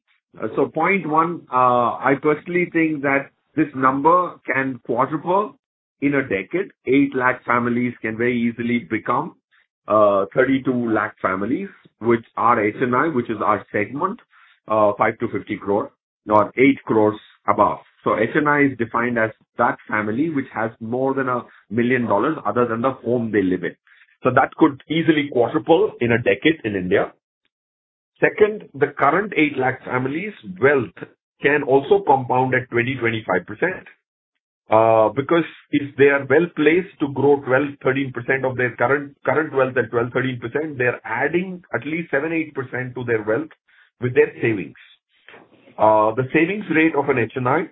So point one, I personally think that this number can quadruple in a decade. 8 lakh families can very easily become 32 lakh families, which are HNI, which is our segment, 5 crore-50 crore, or 8 crore above. So HNI is defined as that family which has more than $1 million other than the home they live in. So that could easily quadruple in a decade in India. Second, the current 800,000 families' wealth can also compound at 20-25%, because if they are well-placed to grow 12-13% of their current, current wealth at 12-13%, they are adding at least 7-8% to their wealth with their savings. The savings rate of an HNI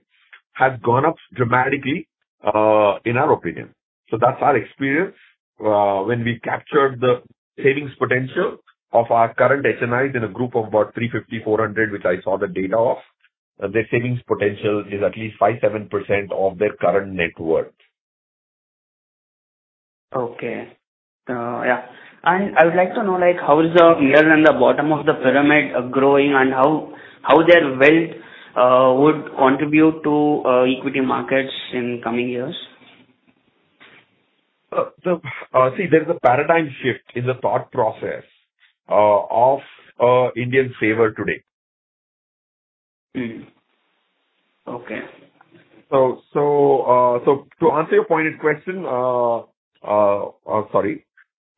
has gone up dramatically, in our opinion. So that's our experience. When we captured the savings potential of our current HNIs in a group of about 350-400, which I saw the data of, their savings potential is at least 5-7% of their current net worth. Okay. Yeah. And I would like to know, like, how is the middle and the bottom of the pyramid are growing, and how, how their wealth, would contribute to, equity markets in coming years?... So, see, there's a paradigm shift in the thought process, of, Indian saver today. Mm. Okay. To answer your pointed question, sorry,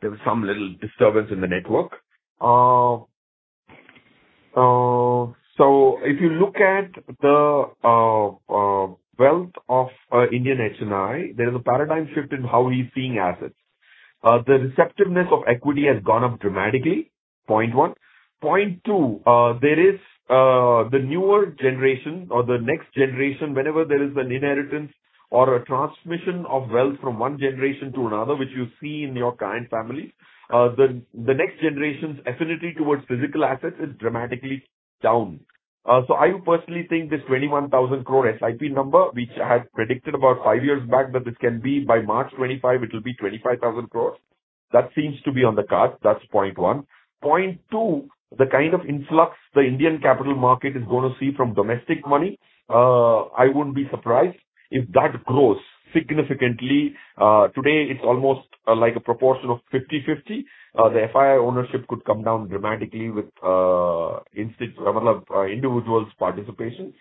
there was some little disturbance in the network. So if you look at the wealth of Indian HNI, there is a paradigm shift in how we're seeing assets. The receptiveness of equity has gone up dramatically, point one. Point two, there is the newer generation or the next generation, whenever there is an inheritance or a transmission of wealth from one generation to another, which you see in your kind family, the next generation's affinity towards physical assets is dramatically down. So I personally think this 21,000 crore SIP number, which I had predicted about five years back, that it can be by March 2025, it will be 25,000 crore. That seems to be on the cards. That's point one. Point 2, the kind of influx the Indian capital market is gonna see from domestic money, I wouldn't be surprised if that grows significantly. Today, it's almost like a proportion of 50/50. The FII ownership could come down dramatically with individuals' participation.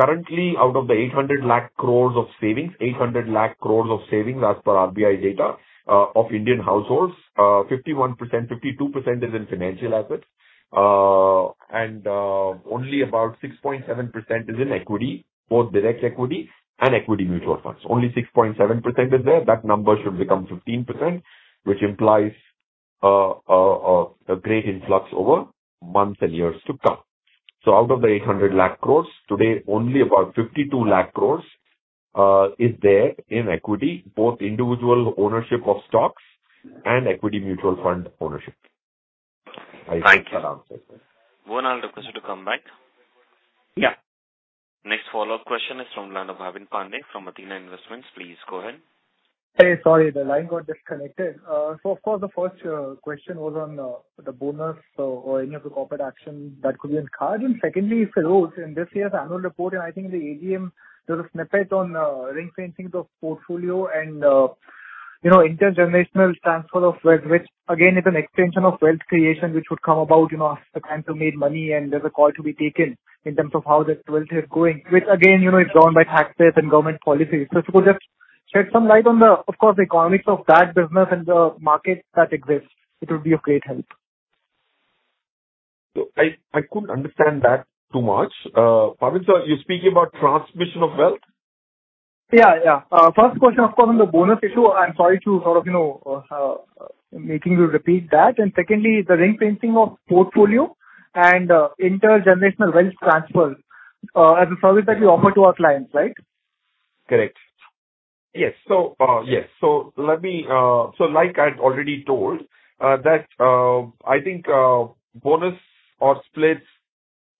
Currently, out of the 80,000,000 crore of savings, 80,000,000 crore of savings as per RBI data, of Indian households, 51%-52% is in financial assets. And only about 6.7% is in equity, both direct equity and equity mutual funds. Only 6.7% is there. That number should become 15%, which implies a great influx over months and years to come. So out of the 80,000,000 crore, today, only about 5,200,000 crore is there in equity, both individual ownership of stocks and equity mutual fund ownership. Thank you. Mohnish, I'll request you to come back. Yeah. Next follow-up question is from the line of Bhavin Pande from Athena Investments. Please go ahead. Hey, sorry, the line got disconnected. So of course, the first question was on the bonus or any of the corporate action that could be on card. And secondly, Feroze, in this year's annual report, and I think in the AGM, there's a snippet on ring fencing of portfolio and, you know, intergenerational transfer of wealth, which again is an extension of wealth creation, which would come about, you know, as the clients have made money and there's a call to be taken in terms of how this wealth is going, which again, you know, is driven by tax rates and government policy. So if you could just shed some light on the, of course, economics of that business and the market that exists, it would be of great help. I couldn't understand that too much. Bhavin, sir, you're speaking about transmission of wealth? Yeah, yeah. First question, of course, on the bonus issue. I'm sorry to sort of, you know, making you repeat that. And secondly, the ring fencing of portfolio and intergenerational wealth transfer as a service that you offer to our clients, right? Correct. Yes. So, yes. So let me... So like I'd already told, that, I think, bonus or splits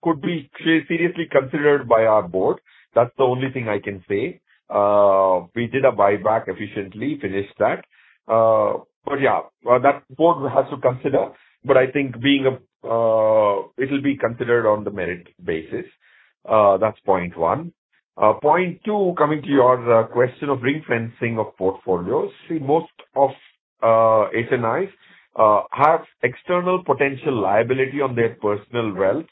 could be seriously considered by our board. That's the only thing I can say. We did a buyback efficiently, finished that. But yeah, that board has to consider, but I think being a, it'll be considered on the merit basis. That's point one. Point two, coming to your, question of ring fencing of portfolios. See, most of, HNIs, have external potential liability on their personal wealth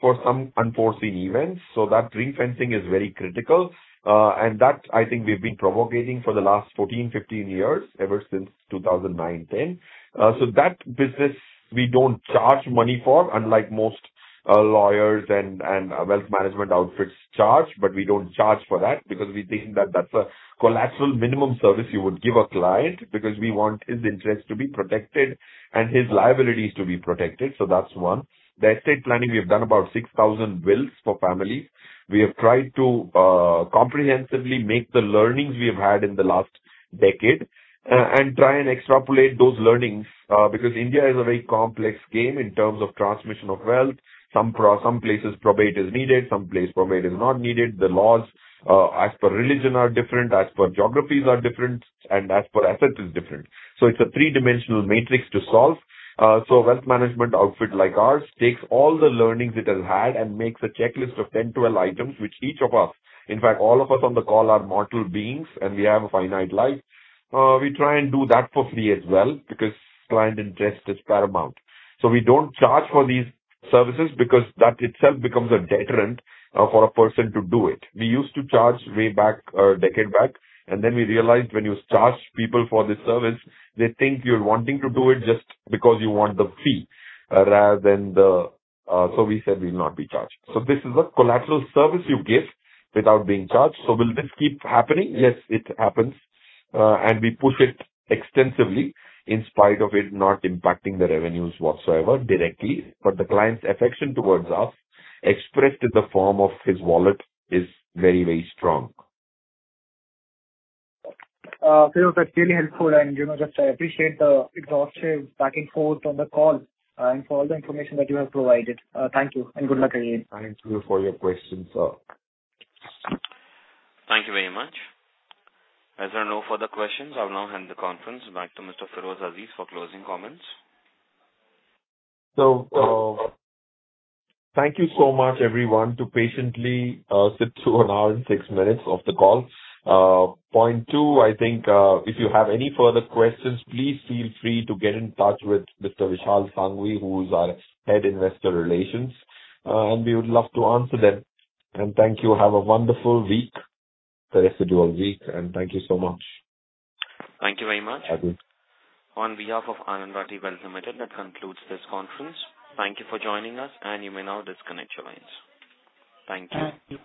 for some unforeseen events, so that ring fencing is very critical. And that, I think we've been promulgating for the last 14, 15 years, ever since 2009, 2010. So that business we don't charge money for, unlike most, lawyers and, and, wealth management outfits charge. But we don't charge for that because we think that that's a collateral minimum service you would give a client, because we want his interest to be protected and his liabilities to be protected. So that's one. The estate planning, we have done about 6,000 wills for families. We have tried to comprehensively make the learnings we've had in the last decade, and try and extrapolate those learnings, because India is a very complex game in terms of transmission of wealth. Some places, probate is needed, some place probate is not needed. The laws, as per religion are different, as per geographies are different, and as per asset is different. So it's a three-dimensional matrix to solve. So wealth management outfit like ours takes all the learnings it has had and makes a checklist of 10-12 items, which each of us, in fact, all of us on the call are mortal beings, and we have a finite life. We try and do that for free as well, because client interest is paramount. So we don't charge for these services because that itself becomes a deterrent for a person to do it. We used to charge way back, a decade back, and then we realized when you charge people for this service, they think you're wanting to do it just because you want the fee, rather than the... So we said we'll not be charged. So this is a collateral service you give without being charged. So will this keep happening? Yes, it happens. We push it extensively in spite of it not impacting the revenues whatsoever directly, but the client's affection towards us, expressed in the form of his wallet, is very, very strong. Feroze, that's really helpful, and you know, just I appreciate the exhaustive back and forth on the call and for all the information that you have provided. Thank you, and good luck again. Thank you for your questions, sir. Thank you very much. As there are no further questions, I'll now hand the conference back to Mr. Feroze Azeez for closing comments. So, thank you so much, everyone, to patiently sit through 1 hour and 6 minutes of the call. Point two, I think, if you have any further questions, please feel free to get in touch with Mr. Vishal Sanghavi, who's our Head of Investor Relations, and we would love to answer them. And thank you. Have a wonderful week, the residual week, and thank you so much. Thank you very much. Thank you. On behalf of Anand Rathi Wealth Limited, that concludes this conference. Thank you for joining us, and you may now disconnect your lines. Thank you.